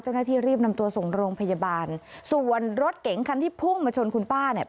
เจ้าหน้าที่รีบนำตัวส่งโรงพยาบาลส่วนรถเก๋งคันที่พุ่งมาชนคุณป้าเนี่ย